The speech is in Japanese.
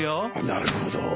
なるほど。